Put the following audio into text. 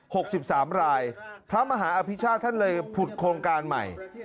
หกสิบสามรายพระมหาอภิชาติท่านเลยผุดโครงการใหม่